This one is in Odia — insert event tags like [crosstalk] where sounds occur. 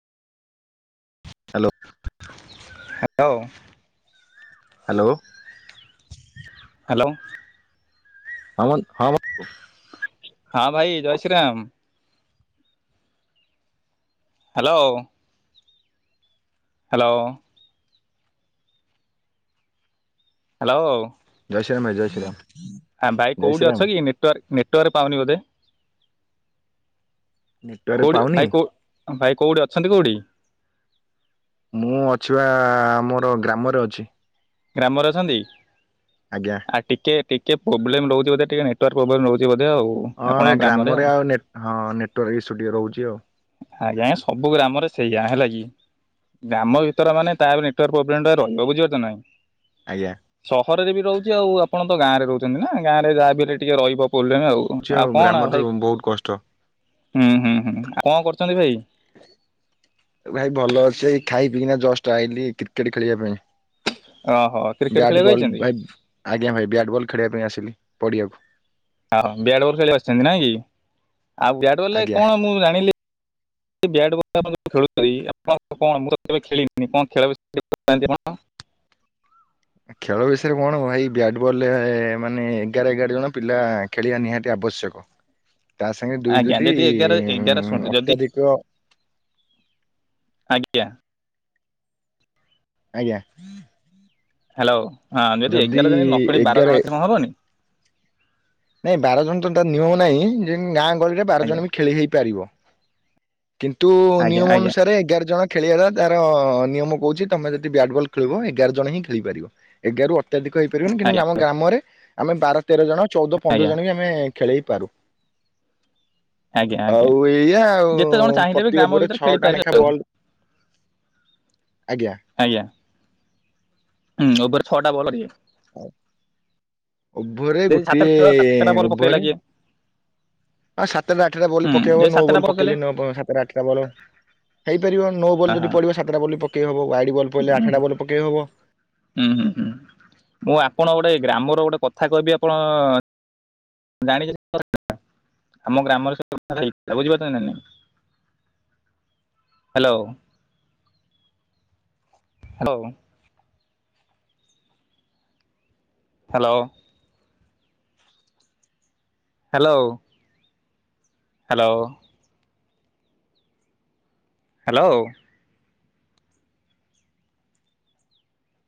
Hello. Hello. Hello. Hello. Aman ହମ ହଁ ଭାଇ ଜୟ Shri Ram. Hello. Hello. Hello. Shriram ଭାଇ ଜୟ ଶ୍ରୀରାମ୍। ଆ ଭାଇ କୋଉଟି ଅଛକି ନେଟୱାର୍କ ନେଟୱାର୍ ପାଉନି ବୋଧେ? ନେଟୱାର୍କ କୋଉଠି ଭାଇ ପାଉନି ଭାଇ କୋଉ ଭାଇ କୋଉଠି ଅଛନ୍ତି କୋଉଠି? ମୁଁ ଅଛି ବା ଆମର ଗ୍ରାମରେ ଅଛି। ଗ୍ରାମରେ ଅଛନ୍ତି ଆଜ୍ଞା ଆ ଟିକେ ଟି କେ ପୋବ୍ଲେମ୍ ରହୁଚି ବୋଧେ ଟିକେ ନେଟୱାକ ପୋବ୍ଲେମ୍ ରହୁଚି ବୋଧେ ହଁ ଏ ଗ୍ରାମରେ ଆଉ ନେ ହଁ ନେଟୱାର୍କ ଇସୁ ଟିକେ ରହୁଚି ଆଉ। ଆଜ୍ଞା ସବୁ ଗ୍ରାମରେ ସେଇଆ ହେଲା କି। ଗ୍ରାମ ଭିତରମାନେ ତା ପରେ ନେଟୱର୍କ ପ୍ରୋବଲେମ୍ ଟା ରହିବ ବୁଝିପାରୁଚ ନାଇ? ଆଜ୍ଞା। ହରେଦେବି ରହୁଚି ଆଉ ଆପଣ ତ ଗାଁରେ ରହୁଚନ୍ତି ନା ଗାଁରେ ଯାହା ବି ହେଲେ ଟିକେ ରହିବ। କୋଲ୍ ଦେମି ଆଉ ଅଛି ଆଉ କଣ ଆଉ ଗ୍ରାମରେ ଭାଇ ବହୁତ କଷ୍ଟ କଁ କରୁଚନ୍ତି ଭାଇ? ଭାଇ ଭଲ ଅଛି ଏଇ ଖାଇ ପିଇିକିନା ଜଷ୍ଟ ଆଇଲି କ୍ରିକେଟ ଖେଳିବା ପାଇଁ। ଓହୋ କ୍ରିକେଟ ବ୍ୟାଟ୍ ଖେଳିବାକୁ ବଲ୍ ଆଇଛନ୍ତି ଭାଇ ଆଜ୍ଞା ଭାଇ ବ୍ୟାଟ୍ ବଲ୍ ଖେଳିବା ପାଇଁ ଆସିଲି ପଡିଆକୁ। ଆଉ ବ୍ୟାଟ୍ ବଲ୍ ଖେଳିବାକୁ ଆସିଚନ୍ତି ନାଇଁ କି? ଆଉ ବ୍ୟାଟ୍ ବଲ୍ ରେ ଆଜ୍ଞା କଣ ମୁଁ ଜାଣିଲି। ବ୍ୟାଟ୍ ବ [unintelligible] ତ ଆପଣ ଯୋଉ ଖେଳୁଚନ୍ତି, ଆପଣଙ୍କ କଣ ମୁଁ ତ କେବେ ଖେଳିନି, କଁ ଖେଳ ବିଷୟରେ ଟିକେ କହୁନାହାଁନ୍ତି ଆପଣ। ଖେଳ ବିଷୟରେ କଣ ଭାଇ ବ୍ୟାଟ ବଲ ରେ ମାନେ ଏଗାର ଏଗାର ଜଣ ପିଲା ଖେଳିବା ନିହାତି ଆ ବଶ୍ୟକ। ଆଜ୍ଞା ଯଦି ଏଗାର ଏଗାର ଶଣୁ ଯଦି ଅତ୍ୟାଧିକ ଆଜ୍ଞା। ଆଜ୍ଞା। ହ୍ୟାଲୋ ହଁ ଯଦି ଏଗାର ଜଣ ନକରି ବାର ଏଗାର ଜଣ କଲେ ହବନି। ନାଇଁ ବାର ଜଣ ତ ତା ନିୟମ ନାହିଁ ଯେ ଗାଁ ଗହଳିରେ ବାର ଆଜ୍ଞା ଜଣ ବି ଖେଳି ହେଇ ପାରିବ। କିନ୍ତୁ ଆଜ୍ଞା ନିୟମ ଆଜ୍ଞା ଅନୁସାରେ ଏଗାର ଜଣ ଖେଳିବା ତାର ନିୟମ କହୁଚି ତମେ ଯଦି ବ୍ୟାଟ ବଲ୍ ଖେଳିବ ଏଗାର ଜଣ ହିଁ ଖେଳିପାରିବ ଏଗାରରୁ ଅ ଅତ୍ୟଧିକ ହେଇପାରିବନି ଆଜ୍ଞା କିନ୍ତୁ ଆମ ଗ୍ରାମରେ ଆମେ ବାର ତେର ଜଣ ଚଉଦ ଆଜ୍ଞା ପନ୍ଦର ଜଣ ବି ଆମେ ଖେଳେଇ ପାରୁ। ଆଜ୍ଞା ଆଜ୍ଞା ଆଉ ଏଇଆ ଯେତେ ଆଉ ଜଣ ଚାହିଁଲେ ବି ପ୍ରତି ଗ୍ରାମ ଓଭର ରେ ଭିତରେ ଛଅଟା ଖେଳିପାରିବେ ନେଖା ଆଉ ବଲ ଆଜ୍ଞା। ହୁଁ ଓଭର ରେ ଛଅଟା ବଲ [unintelligible] ଓଭରରେ ଯଦି ଗୋଟିଏ ସାତଟା ସାତଟା ବଲ୍ ଓଭର ପକେଇଲା ରେ କିଏ ହଁ ସାତଟା ଆଠଟା ବଲ ହୁଁ ପକେଇବ ଯଦି ନୋ ସାତଟା ବଲ ବଲ୍ ପକେଇଲେ ନୋ ବ ସାତଟ ଆଠଟା ବଲ ହେଇପାରିବ ନୋ ହଁ ବଲ୍ ଯଦି ପଡିବ ସାତଟା ବଲ ପକେଇବ ୱାଇଡି ବଲ୍ ପଇଲେ ହଁ ଆଠଟା ବଲ ପକେଇ ହବ। ହୁଁ ହୁଁ ହୁଁ ମୁଁ ଆପଣ ଗୋଟେ ଗ୍ରାମର ଗୋଟେ କଥା କହିବି ଆପଣ ଜାଣି [unintelligible] ଆମ ଗ୍ରାମରେ ସେ କଥା ଟା ହେଇଥିଲା ବୁଝିପାରୁଚ ନାଇଁ? Hello. Hello. Hello. Hello. Hello. Hello.